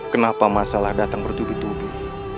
kenapa masalah datang bertubuh tubuh